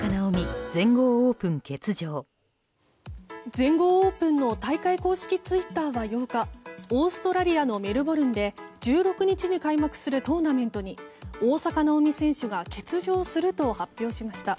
全豪オープンの大会公式ツイッターは８日オーストラリアのメルボルンで１６日に開幕するトーナメントに大坂なおみ選手が欠場すると発表しました。